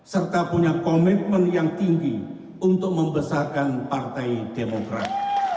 serta punya komitmen yang tinggi untuk membesarkan partai demokrat